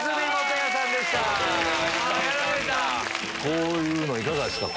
こういうのいかがですか？